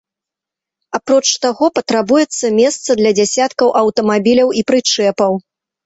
Апроч таго, патрабуецца месца для дзясяткаў аўтамабіляў і прычэпаў.